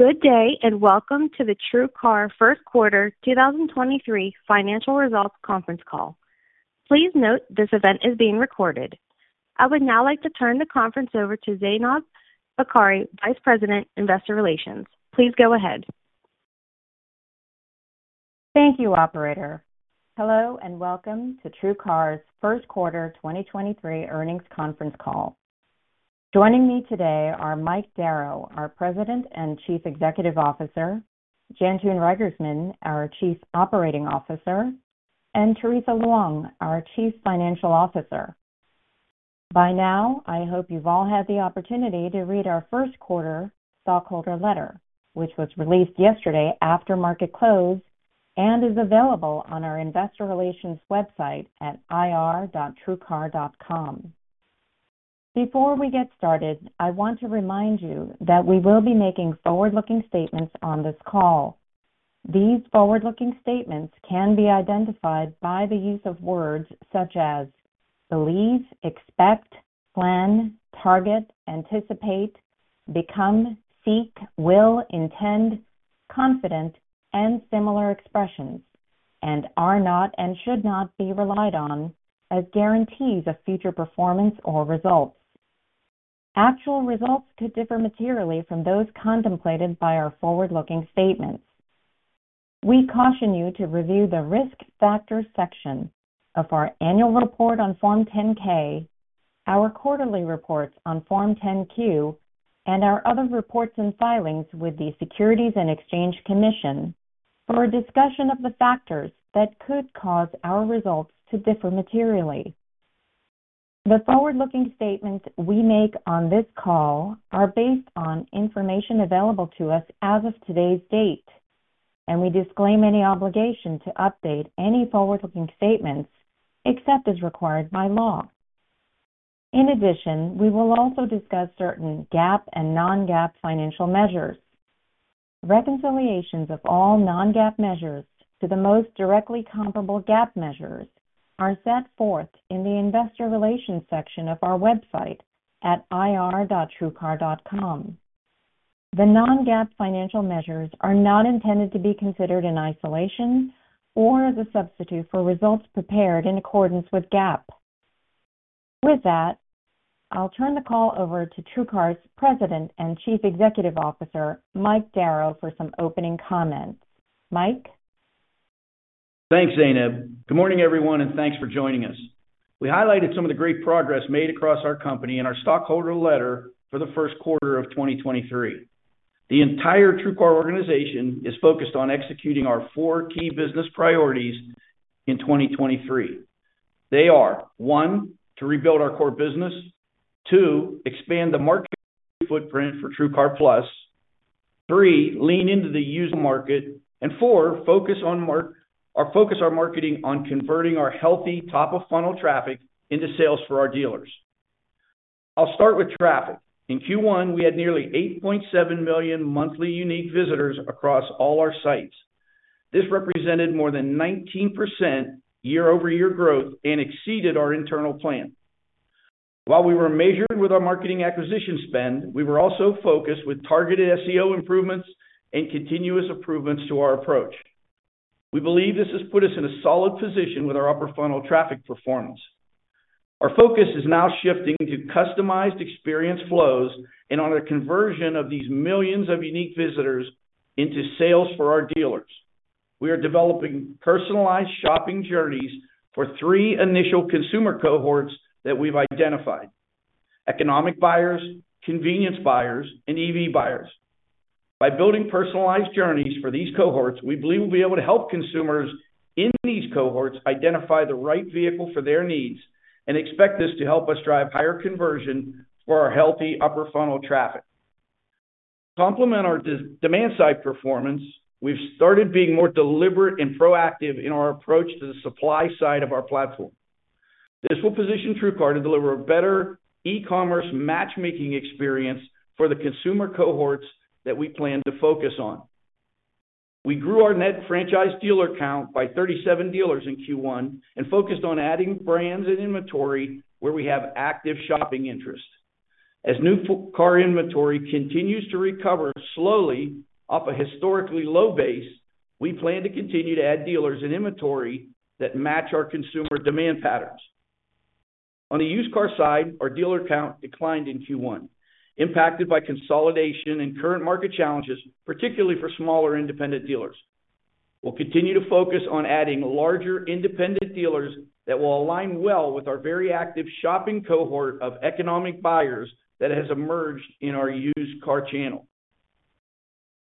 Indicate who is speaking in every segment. Speaker 1: Good day, welcome to the TrueCar first quarter 2023 financial results conference call. Please note this event is being recorded. I would now like to turn the conference over to Zaineb Bokhari, Vice President, Investor Relations. Please go ahead.
Speaker 2: Thank you, operator. Hello, and welcome to TrueCar's first quarter 2023 earnings conference call. Joining me today are Mike Darrow, our President and Chief Executive Officer, Jantoon Reigersman, our Chief Operating Officer, and Teresa Luong, our Chief Financial Officer. By now, I hope you've all had the opportunity to read our first quarter stockholder letter, which was released yesterday after market close, and is available on our investor relations website at ir.truecar.com. Before we get started, I want to remind you that we will be making forward-looking statements on this call. These forward-looking statements can be identified by the use of words such as believe, expect, plan, target, anticipate, become, seek, will, intend, confident, and similar expressions, and are not and should not be relied on as guarantees of future performance or results. Actual results could differ materially from those contemplated by our forward-looking statements. We caution you to review the Risk Factors section of our annual report on Form 10-K, our quarterly reports on Form 10-Q, and our other reports and filings with the Securities and Exchange Commission for a discussion of the factors that could cause our results to differ materially. The forward-looking statements we make on this call are based on information available to us as of today's date, and we disclaim any obligation to update any forward-looking statements except as required by law. In addition, we will also discuss certain GAAP and non-GAAP financial measures. Reconciliations of all non-GAAP measures to the most directly comparable GAAP measures are set forth in the Investor Relations section of our website at ir.truecar.com. The non-GAAP financial measures are not intended to be considered in isolation or as a substitute for results prepared in accordance with GAAP. With that, I'll turn the call over to TrueCar's President and Chief Executive Officer, Mike Darrow, for some opening comments. Mike?
Speaker 3: Thanks, Zaineb. Good morning, everyone, thanks for joining us. We highlighted some of the great progress made across our company in our stockholder letter for the first quarter of 2023. The entire TrueCar organization is focused on executing our four key business priorities in 2023. They are, one, to rebuild our core business. Two, expand the market footprint for TrueCar+. Three, lean into the used market. Four, focus our marketing on converting our healthy top-of-funnel traffic into sales for our dealers. I'll start with traffic. In Q1, we had nearly 8.7 million monthly unique visitors across all our sites. This represented more than 19% year-over-year growth and exceeded our internal plan. While we were measured with our marketing acquisition spend, we were also focused with targeted SEO improvements and continuous improvements to our approach. We believe this has put us in a solid position with our upper funnel traffic performance. Our focus is now shifting to customized experience flows and on the conversion of these millions of unique visitors into sales for our dealers. We are developing personalized shopping journeys for three initial consumer cohorts that we've identified, economic buyers, convenience buyers, and EV buyers. By building personalized journeys for these cohorts, we believe we'll be able to help consumers in these cohorts identify the right vehicle for their needs and expect this to help us drive higher conversion for our healthy upper funnel traffic. To complement our de-demand side performance, we've started being more deliberate and proactive in our approach to the supply side of our platform. This will position TrueCar to deliver a better e-commerce matchmaking experience for the consumer cohorts that we plan to focus on. We grew our net franchise dealer count by 37 dealers in Q1 and focused on adding brands and inventory where we have active shopping interests. As new car inventory continues to recover slowly off a historically low base, we plan to continue to add dealers and inventory that match our consumer demand patterns. On the used car side, our dealer count declined in Q1, impacted by consolidation and current market challenges, particularly for smaller independent dealers. We'll continue to focus on adding larger independent dealers that will align well with our very active shopping cohort of economic buyers that has emerged in our used car channel.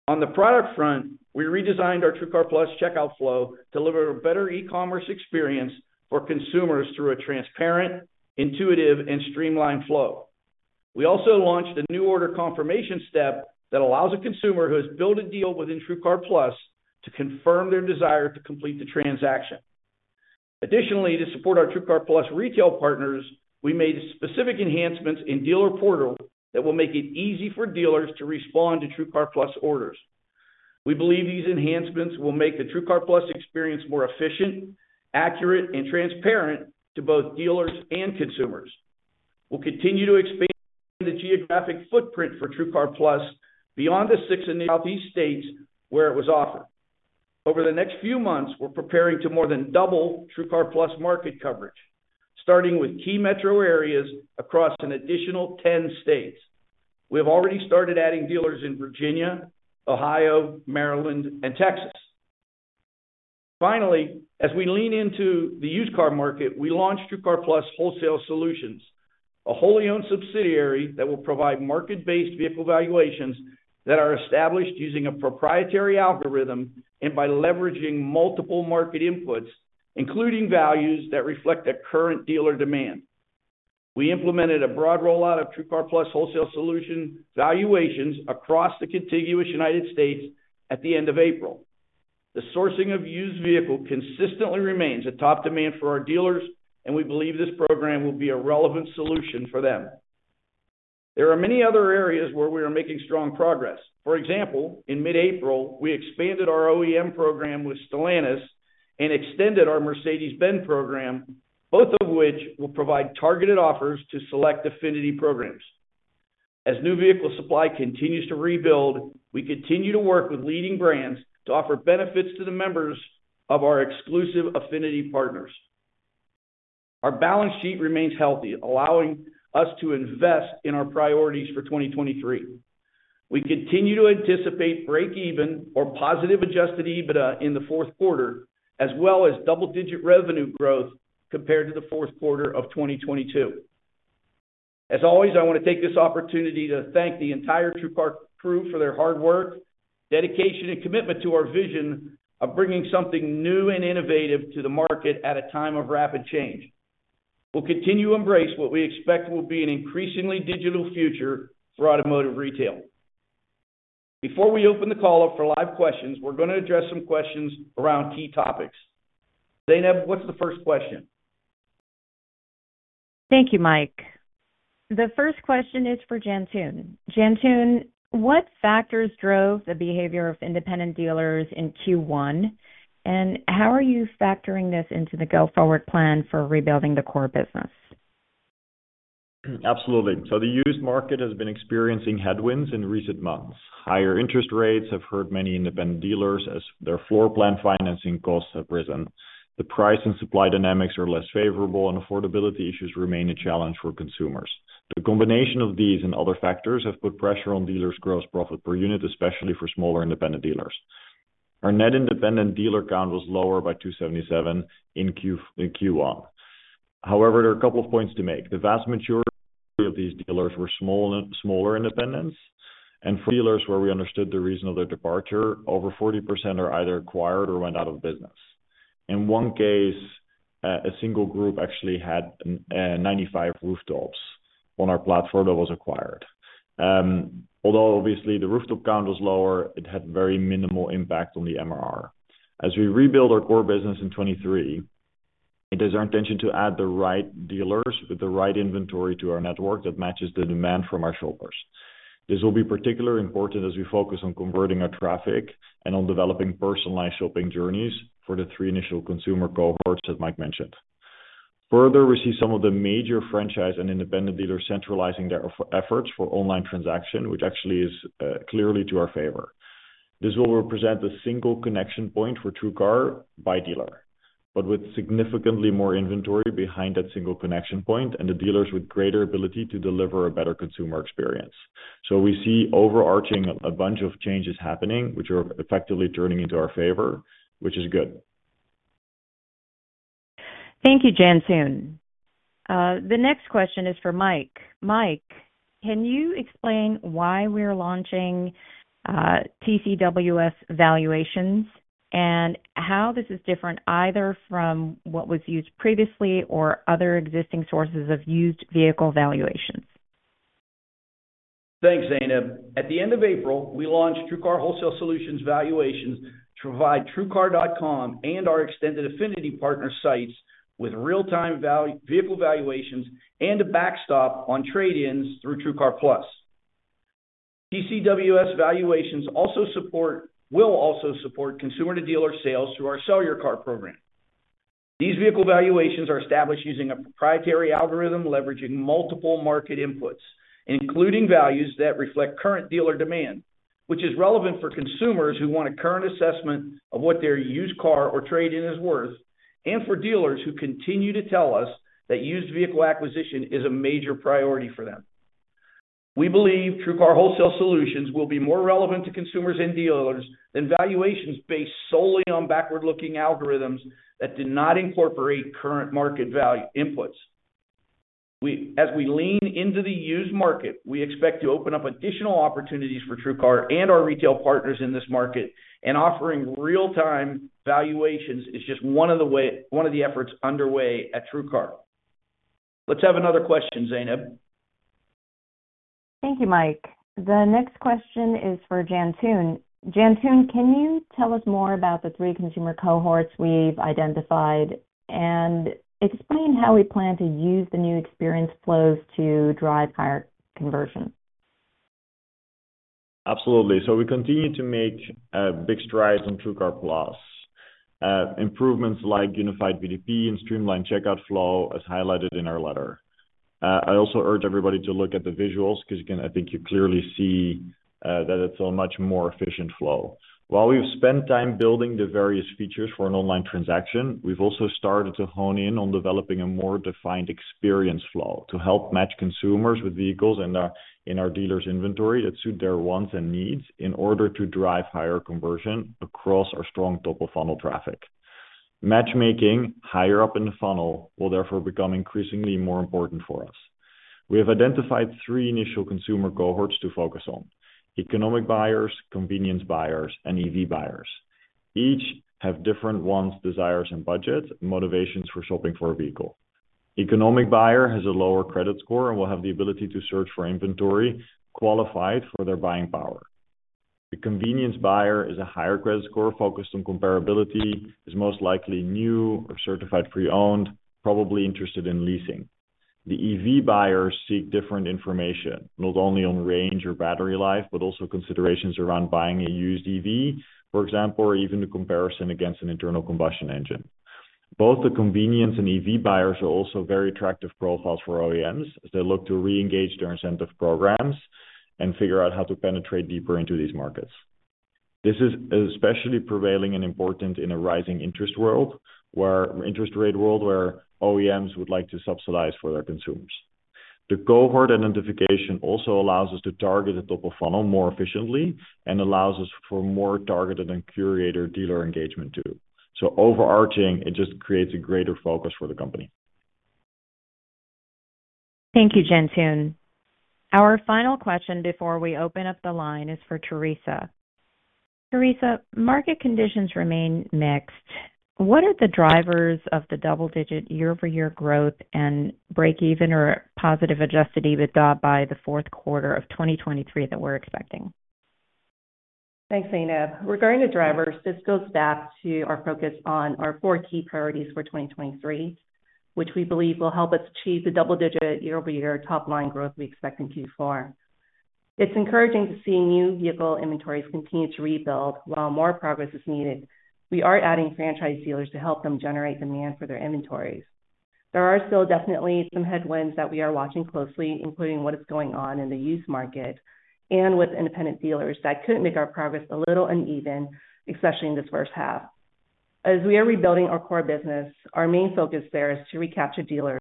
Speaker 3: On the product front, we redesigned our TrueCar+ checkout flow to deliver a better e-commerce experience for consumers through a transparent, intuitive, and streamlined flow. We also launched a new order confirmation step that allows a consumer who has built a deal within TrueCar+ to confirm their desire to complete the transaction. Additionally, to support our TrueCar+ retail partners, we made specific enhancements in Dealer Portal that will make it easy for dealers to respond to TrueCar+ orders. We believe these enhancements will make the TrueCar+ experience more efficient, accurate, and transparent to both dealers and consumers. We'll continue to expand the geographic footprint for TrueCar+ beyond the six initial Northeast states where it was offered. Over the next few months, we're preparing to more than double TrueCar+ market coverage, starting with key metro areas across an additional 10 states. We have already started adding dealers in Virginia, Ohio, Maryland, and Texas. Finally, as we lean into the used car market, we launched TrueCar Wholesale Solutions, a wholly owned subsidiary that will provide market-based vehicle valuations that are established using a proprietary algorithm and by leveraging multiple market inputs, including values that reflect the current dealer demand. We implemented a broad rollout of TrueCar Wholesale Solutions valuations across the contiguous United States at the end of April. The sourcing of used vehicle consistently remains a top demand for our dealers, and we believe this program will be a relevant solution for them. There are many other areas where we are making strong progress. For example, in mid-April, we expanded our OEM program with Stellantis and extended our Mercedes-Benz program, both of which will provide targeted offers to select affinity programs. As new vehicle supply continues to rebuild, we continue to work with leading brands to offer benefits to the members of our exclusive affinity partners. Our balance sheet remains healthy, allowing us to invest in our priorities for 2023. We continue to anticipate breakeven or positive adjusted EBITDA in the fourth quarter, as well as double-digit revenue growth compared to the fourth quarter of 2022. As always, I want to take this opportunity to thank the entire TrueCar crew for their hard work, dedication, and commitment to our vision of bringing something new and innovative to the market at a time of rapid change. We'll continue to embrace what we expect will be an increasingly digital future for automotive retail. Before we open the call up for live questions, we're going to address some questions around key topics. Zaineb, what's the first question?
Speaker 2: Thank you, Mike. The first question is for Jantoon. Jantoon, what factors drove the behavior of independent dealers in Q1, and how are you factoring this into the go-forward plan for rebuilding the core business?
Speaker 4: Absolutely. The used market has been experiencing headwinds in recent months. Higher interest rates have hurt many independent dealers as their floorplan financing costs have risen. The price and supply dynamics are less favorable and affordability issues remain a challenge for consumers. The combination of these and other factors have put pressure on dealers' gross profit per unit, especially for smaller independent dealers. Our net independent dealer count was lower by 277 in Q1. However, there are a couple of points to make. The vast majority of these dealers were smaller independents, and for dealers where we understood the reason of their departure, over 40% are either acquired or went out of business. In one case, a single group actually had 95 rooftops on our platform that was acquired. Although obviously the rooftop count was lower, it had very minimal impact on the MRR. As we rebuild our core business in 2023, it is our intention to add the right dealers with the right inventory to our network that matches the demand from our shoppers. This will be particularly important as we focus on converting our traffic and on developing personalized shopping journeys for the three initial consumer cohorts, as Mike mentioned. We see some of the major franchise and independent dealers centralizing their efforts for online transaction, which actually is clearly to our favor. This will represent the single connection point for TrueCar by dealer, but with significantly more inventory behind that single connection point and the dealers with greater ability to deliver a better consumer experience. We see overarching a bunch of changes happening which are effectively turning into our favor, which is good.
Speaker 2: Thank you, Jantoon. The next question is for Mike. Mike, can you explain why we're launching, TCWS valuations and how this is different either from what was used previously or other existing sources of used vehicle valuations?
Speaker 3: Thanks, Zaineb. At the end of April, we launched TrueCar Wholesale Solutions valuations to provide TrueCar.com and our extended affinity partner sites with real-time vehicle valuations and a backstop on trade-ins through TrueCar+. TCWS valuations will also support consumer-to-dealer sales through our Sell Your Car program. These vehicle valuations are established using a proprietary algorithm leveraging multiple market inputs, including values that reflect current dealer demand, which is relevant for consumers who want a current assessment of what their used car or trade-in is worth, and for dealers who continue to tell us that used vehicle acquisition is a major priority for them. We believe TrueCar Wholesale Solutions will be more relevant to consumers and dealers than valuations based solely on backward-looking algorithms that do not incorporate current market value inputs. As we lean into the used market, we expect to open up additional opportunities for TrueCar and our retail partners in this market. Offering real-time valuations is just one of the efforts underway at TrueCar. Let's have another question, Zaineb.
Speaker 2: Thank you, Mike. The next question is for Jantoon. Jantoon, Tell us more about the three consumer cohorts we've identified and explain how we plan to use the new experience flows to drive higher conversion?
Speaker 4: Absolutely. We continue to make big strides in TrueCar+. Improvements like unified VDP and streamlined checkout flow, as highlighted in our letter. I also urge everybody to look at the visuals, 'cause again, I think you clearly see that it's a much more efficient flow. While we've spent time building the various features for an online transaction, we've also started to hone in on developing a more defined experience flow to help match consumers with vehicles in our dealers' inventory that suit their wants and needs in order to drive higher conversion across our strong top-of-funnel traffic. Matchmaking higher up in the funnel will therefore become increasingly more important for us. We have identified three initial consumer cohorts to focus on: economic buyers, convenience buyers, and EV buyers. Each have different wants, desires, and budgets, motivations for shopping for a vehicle. Economic buyer has a lower credit score and will have the ability to search for inventory qualified for their buying power. The convenience buyer is a higher credit score focused on comparability, is most likely new or certified pre-owned, probably interested in leasing. The EV buyers seek different information, not only on range or battery life, but also considerations around buying a used EV, for example, or even the comparison against an internal combustion engine. Both the convenience and EV buyers are also very attractive profiles for OEMs as they look to reengage their incentive programs and figure out how to penetrate deeper into these markets. This is especially prevailing and important in a rising interest rate world where OEMs would like to subsidize for their consumers. The cohort identification also allows us to target the top of funnel more efficiently and allows us for more targeted and curated dealer engagement too. Overarching, it just creates a greater focus for the company.
Speaker 2: Thank you, Jantoon. Our final question before we open up the line is for Teresa. Teresa, market conditions remain mixed. What are the drivers of the double-digit year-over-year growth and breakeven or positive adjusted EBITDA by the fourth quarter of 2023 that we're expecting?
Speaker 5: Thanks, Zaineb. Regarding the drivers, this goes back to our focus on our four key priorities for 2023, which we believe will help us achieve the double-digit year-over-year top-line growth we expect in Q4. It's encouraging to see new vehicle inventories continue to rebuild. While more progress is needed, we are adding franchise dealers to help them generate demand for their inventories. There are still definitely some headwinds that we are watching closely, including what is going on in the used market and with independent dealers that could make our progress a little uneven, especially in this first half. As we are rebuilding our core business, our main focus there is to recapture dealers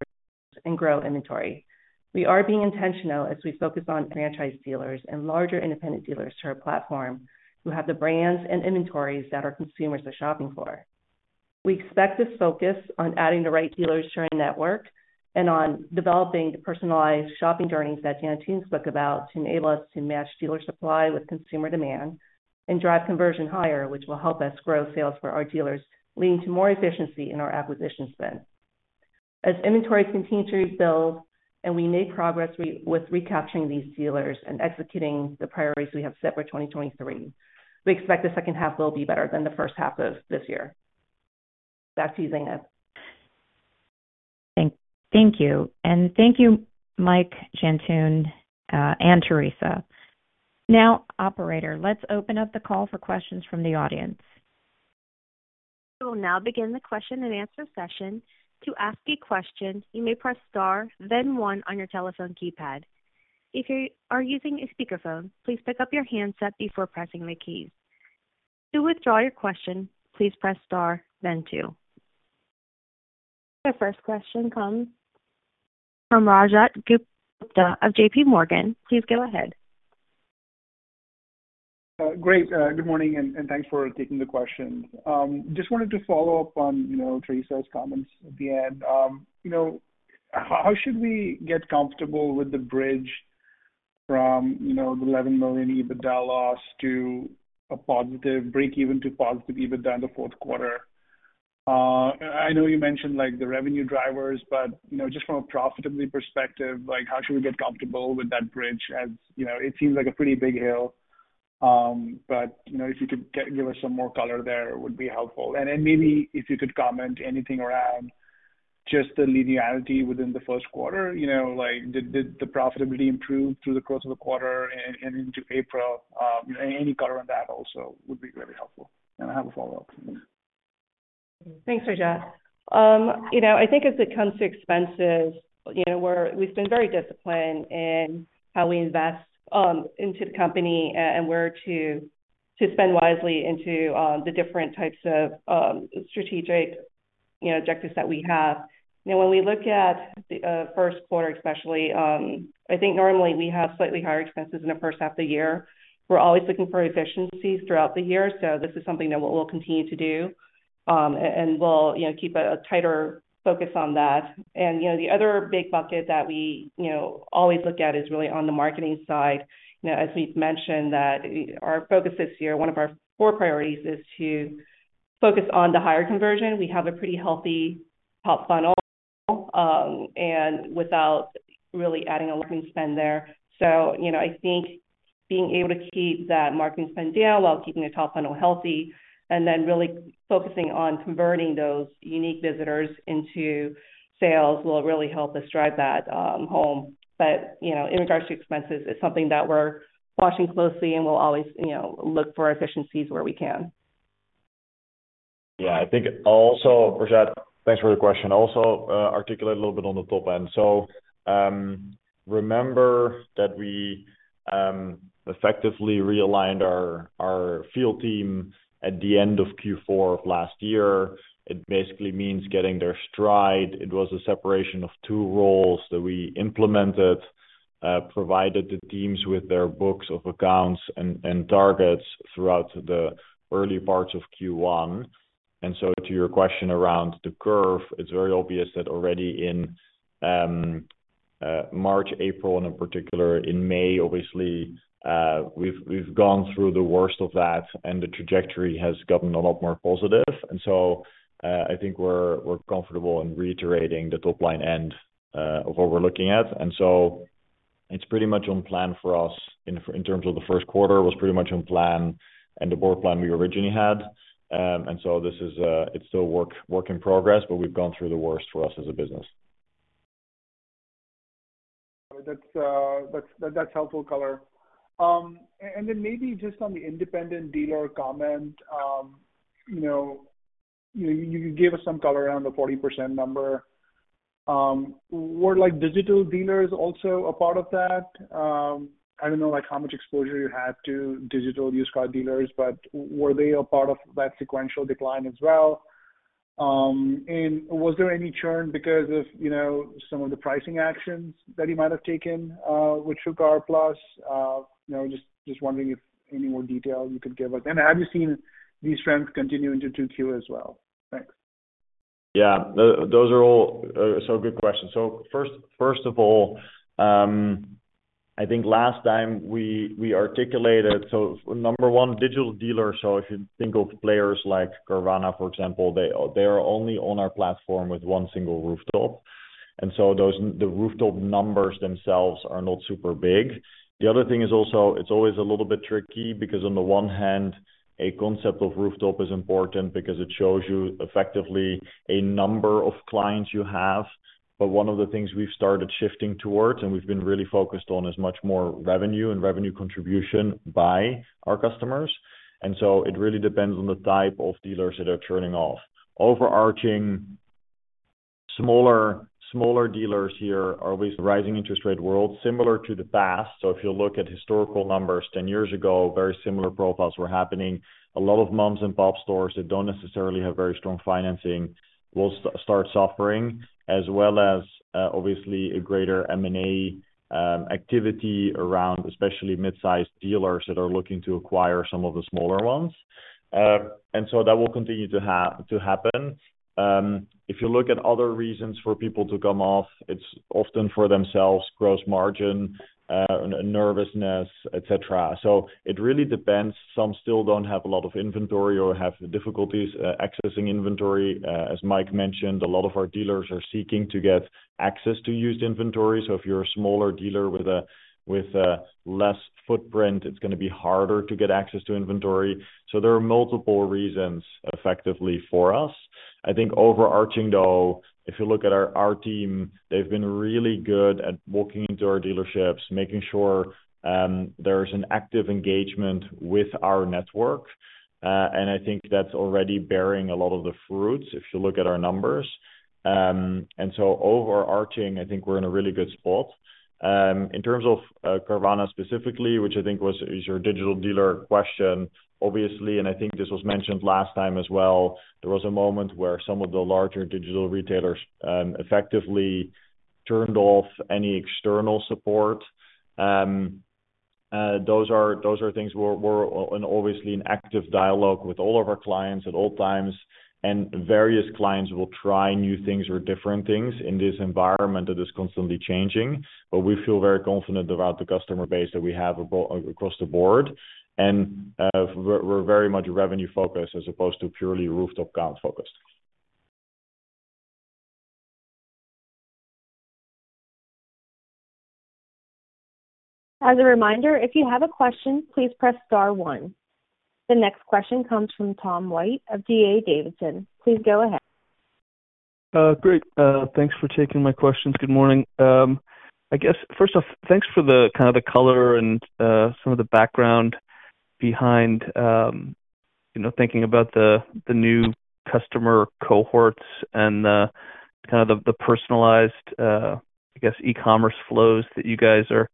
Speaker 5: and grow inventory. We are being intentional as we focus on franchise dealers and larger independent dealers to our platform who have the brands and inventories that our consumers are shopping for. We expect this focus on adding the right dealers to our network and on developing the personalized shopping journeys that Jantoon spoke about to enable us to match dealer supply with consumer demand and drive conversion higher, which will help us grow sales for our dealers, leading to more efficiency in our acquisition spend. As inventory continues to rebuild and we make progress recapturing these dealers and executing the priorities we have set for 2023, we expect the second half will be better than the first half of this year. Back to you, Zaineb.
Speaker 2: Thank you. Thank you, Mike, Jantoon, and Teresa. Now, operator, let's open up the call for questions from the audience.
Speaker 1: We will now begin the question and answer session. To ask a question, you may press star then one on your telephone keypad. If you are using a speakerphone, please pick up your handset before pressing the keys. To withdraw your question, please press star then two. Your first question comes from Rajat Gupta of JPMorgan. Please go ahead.
Speaker 6: Great. Good morning, and thanks for taking the question. Just wanted to follow up on, you know, Teresa's comments at the end. You know, how should we get comfortable with the bridge from, you know, the $11 million EBITDA loss to a positive breakeven to positive EBITDA in the fourth quarter? I know you mentioned like the revenue drivers, but you know, just from a profitability perspective, like how should we get comfortable with that bridge? As, you know, it seems like a pretty big hill. But, you know, if you could give us some more color there, it would be helpful. Then maybe if you could comment anything around just the linearity within the first quarter. You know, like did the profitability improve through the course of the quarter and into April? Any color on that also would be really helpful. I have a follow-up.
Speaker 5: Thanks, Rajat. you know, I think as it comes to expenses, you know, we're, we've been very disciplined in how we invest into the company and where to spend wisely into the different types of strategic, you know, objectives that we have. you know, when we look at the first quarter especially, I think normally we have slightly higher expenses in the first half of the year. We're always looking for efficiencies throughout the year, so this is something that we'll continue to do. And we'll, you know, keep a tighter focus on that. you know, the other big bucket that we, you know, always look at is really on the marketing side. you know, as we've mentioned that our focus this year, one of our core priorities is to focus on the higher conversion. We have a pretty healthy top funnel. Without really adding a working spend there. You know, I think being able to keep that marketing spend down while keeping the top funnel healthy and then really focusing on converting those unique visitors into sales will really help us drive that home. You know, in regards to expenses, it's something that we're watching closely and we'll always, you know, look for efficiencies where we can.
Speaker 4: Yeah. I think also, Rajat, thanks for the question. Articulate a little bit on the top end. Remember that we effectively realigned our field team at the end of Q4 of last year. It basically means getting their stride. It was a separation of two roles that we implemented, provided the teams with their books of accounts and targets throughout the early parts of Q1. To your question around the curve, it's very obvious that already in March, April, and in particular in May, obviously, we've gone through the worst of that, the trajectory has gotten a lot more positive. I think we're comfortable in reiterating the top-line end of what we're looking at. It's pretty much on plan for us in terms of the first quarter, was pretty much on plan and the board plan we originally had. This is, it's still work in progress, but we've gone through the worst for us as a business.
Speaker 6: That's helpful color. Maybe just on the independent dealer comment, you know, you gave us some color around the 40% number. Were like digital dealers also a part of that? I don't know, like how much exposure you had to digital used car dealers, but were they a part of that sequential decline as well? Was there any churn because of, you know, some of the pricing actions that you might have taken with TrueCar+? You know, just wondering if any more detail you could give us. Have you seen these trends continue into 2Q as well? Thanks.
Speaker 4: Yeah. Those are all. Good question. First, first of all, I think last time we articulated. Number one, digital dealer. If you think of players like Carvana, for example, they are only on our platform with one single rooftop, and so those, the rooftop numbers themselves are not super big. The other thing is also, it's always a little bit tricky because on the one hand, a concept of rooftop is important because it shows you effectively a number of clients you have. One of the things we've started shifting towards, and we've been really focused on, is much more revenue and revenue contribution by our customers. It really depends on the type of dealers that are churning off. Overarching, smaller dealers here are always rising interest rate world, similar to the past. If you look at historical numbers 10 years ago, very similar profiles were happening. A lot of mom-and-pop stores that don't necessarily have very strong financing will start suffering, as well as, obviously a greater M&A activity around especially mid-sized dealers that are looking to acquire some of the smaller ones. That will continue to happen. If you look at other reasons for people to come off, it's often for themselves, gross margin, nervousness, etc. It really depends. Some still don't have a lot of inventory or have difficulties accessing inventory. As Mike mentioned, a lot of our dealers are seeking to get access to used inventory. If you're a smaller dealer with a, with a less footprint, it's gonna be harder to get access to inventory. There are multiple reasons effectively for us. I think overarching, though, if you look at our team, they've been really good at walking into our dealerships, making sure there's an active engagement with our network. I think that's already bearing a lot of the fruits if you look at our numbers. Overarching, I think we're in a really good spot. In terms of Carvana specifically, which I think is your digital dealer question, obviously, and I think this was mentioned last time as well, there was a moment where some of the larger digital retailers effectively turned off any external support. Those are things we're and obviously in active dialogue with all of our clients at all times. Various clients will try new things or different things in this environment that is constantly changing. We feel very confident about the customer base that we have across the board. We're very much revenue-focused as opposed to purely rooftop count focused.
Speaker 1: As a reminder, if you have a question, please press star one. The next question comes from Tom White of D.A. Davidson. Please go ahead.
Speaker 7: Great. Thanks for taking my questions. Good morning. I guess first off, thanks for the kind of the color and some of the background behind, you know, thinking about the new customer cohorts and kind of the personalized, I guess e-commerce flows that you guys are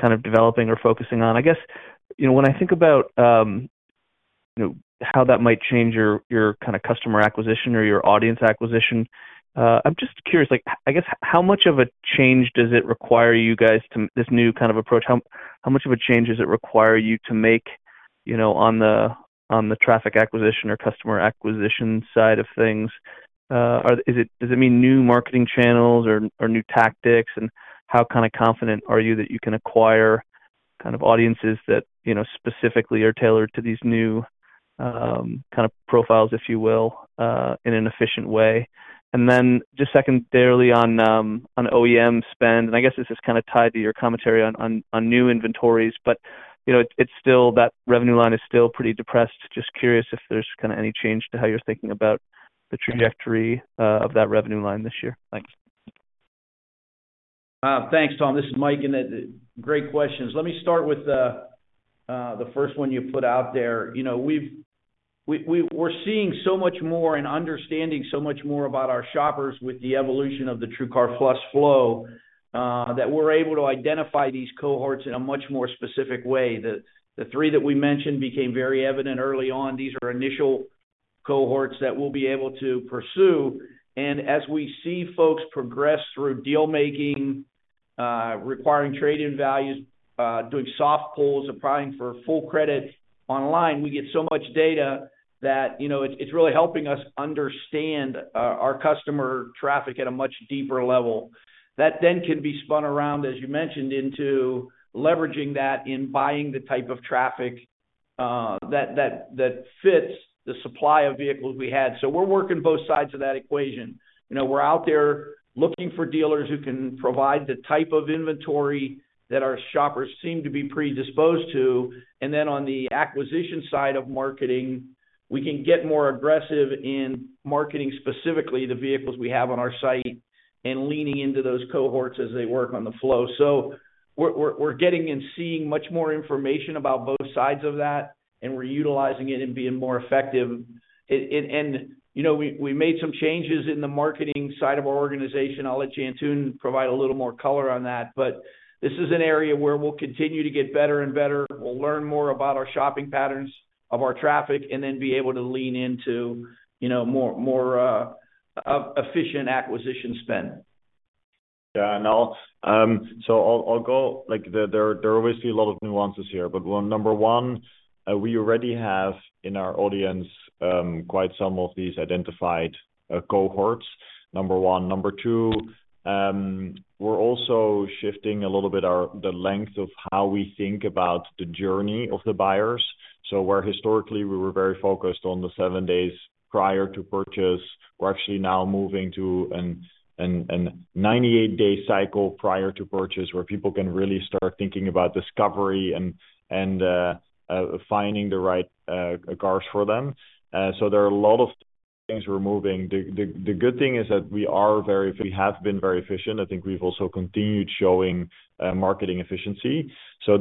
Speaker 7: kind of developing or focusing on. I guess, you know, when I think about, you know, how that might change your kinda customer acquisition or your audience acquisition, I'm just curious, like, I guess how much of a change does it require you guys to... this new kind of approach, how much of a change does it require you to make, you know, on the traffic acquisition or customer acquisition side of things? Does it mean new marketing channels or new tactics? How kinda confident are you that you can acquire kind of audiences that, you know, specifically are tailored to these new, kind of profiles, if you will, in an efficient way. Just secondarily on OEM spend, and I guess this is kind of tied to your commentary on new inventories, but, you know, it's still that revenue line is still pretty depressed. Just curious if there's kinda any change to how you're thinking about the trajectory of that revenue line this year. Thanks.
Speaker 3: Thanks, Tom. This is Mike, and that. Great questions. Let me start with the first one you put out there. You know, we've we're seeing so much more and understanding so much more about our shoppers with the evolution of the TrueCar Plus flow that we're able to identify these cohorts in a much more specific way. The three that we mentioned became very evident early on. These are initial cohorts that we'll be able to pursue. As we see folks progress through deal-making, requiring trade-in values, doing soft pulls, applying for full credit online, we get so much data that, you know, it's really helping us understand our customer traffic at a much deeper level. That then can be spun around, as you mentioned, into leveraging that in buying the type of traffic that fits the supply of vehicles we had. We're working both sides of that equation. You know, we're out there looking for dealers who can provide the type of inventory that our shoppers seem to be predisposed to. Then on the acquisition side of marketing, we can get more aggressive in marketing specifically the vehicles we have on our site and leaning into those cohorts as they work on the flow. We're getting and seeing much more information about both sides of that, and we're utilizing it and being more effective. You know, we made some changes in the marketing side of our organization. I'll let Jantoon provide a little more color on that. This is an area where we'll continue to get better and better. We'll learn more about our shopping patterns of our traffic and then be able to lean into, you know, more efficient acquisition spend.
Speaker 4: Yeah. I'll go. Like, there are obviously a lot of nuances here. Well, Number one, we already have in our audience quite some of these identified cohorts. Number one. Number two, we're also shifting a little bit the length of how we think about the journey of the buyers. Where historically we were very focused on the seven days prior to purchase, we're actually now moving to a 98-day cycle prior to purchase, where people can really start thinking about discovery and finding the right cars for them. There are a lot of things we're moving. The good thing is that we have been very efficient. I think we've also continued showing marketing efficiency.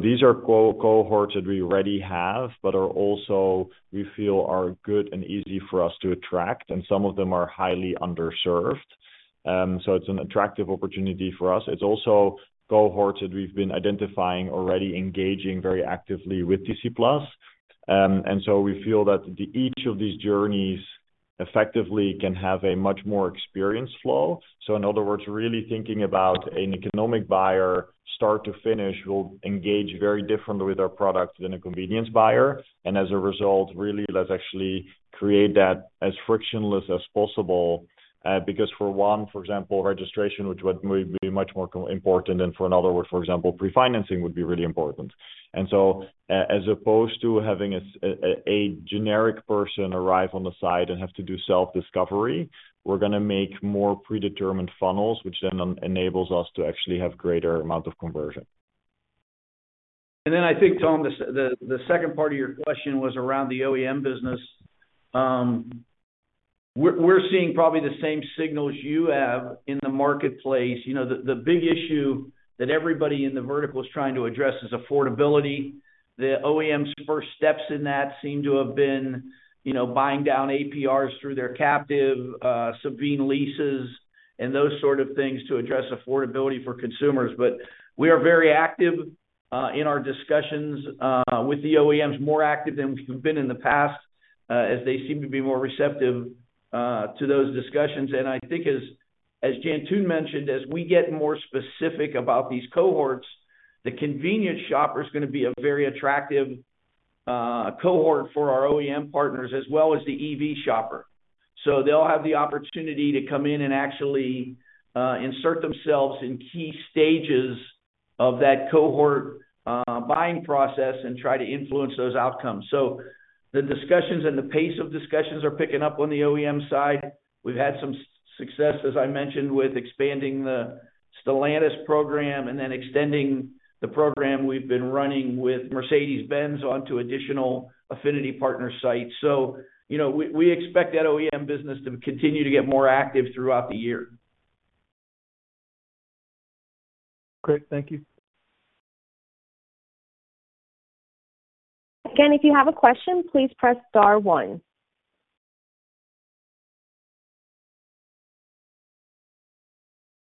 Speaker 4: These are cohorts that we already have but are also we feel are good and easy for us to attract, and some of them are highly underserved. It's an attractive opportunity for us. It's also cohorts that we've been identifying already engaging very actively with TrueCar+. We feel that each of these journeys effectively can have a much more experience flow. In other words, really thinking about an economic buyer start to finish will engage very differently with our product than a convenience buyer. As a result, really let's actually create that as frictionless as possible. Because for one, for example, registration, which would be much more important than for another, for example, pre-financing would be really important. As opposed to having a generic person arrive on the site and have to do self-discovery, we're gonna make more predetermined funnels, which then enables us to actually have greater amount of conversion.
Speaker 3: I think, Tom, the second part of your question was around the OEM business. We're seeing probably the same signals you have in the marketplace. You know, the big issue that everybody in the vertical is trying to address is affordability. The OEM's first steps in that seem to have been, you know, buying down APRs through their captive subprime leases and those sort of things to address affordability for consumers. We are very active in our discussions with the OEMs, more active than we've been in the past, as they seem to be more receptive to those discussions. I think as Jantoon mentioned, as we get more specific about these cohorts, the convenience shopper is gonna be a very attractive cohort for our OEM partners as well as the EV shopper. They'll have the opportunity to come in and actually, insert themselves in key stages of that cohort, buying process and try to influence those outcomes. The discussions and the pace of discussions are picking up on the OEM side. We've had some success, as I mentioned, with expanding the Stellantis program and then extending the program we've been running with Mercedes-Benz onto additional affinity partner sites. You know, we expect that OEM business to continue to get more active throughout the year.
Speaker 7: Great. Thank you.
Speaker 1: Again, if you have a question, please press star one.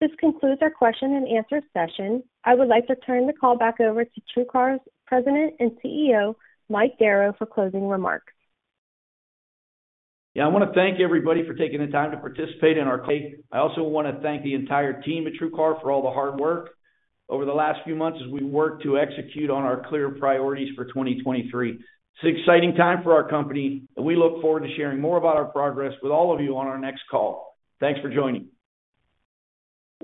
Speaker 1: This concludes our question and answer session. I would like to turn the call back over to TrueCar's President and CEO, Mike Darrow, for closing remarks.
Speaker 3: Yeah. I want to thank everybody for taking the time to participate in our call. I also want to thank the entire team at TrueCar for all the hard work over the last few months as we work to execute on our clear priorities for 2023. It's an exciting time for our company, and we look forward to sharing more about our progress with all of you on our next call. Thanks for joining.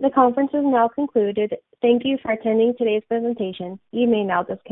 Speaker 1: The conference is now concluded. Thank you for attending today's presentation. You may now disconnect.